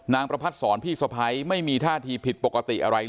ประพัทธ์สอนพี่สะพ้ายไม่มีท่าทีผิดปกติอะไรเลย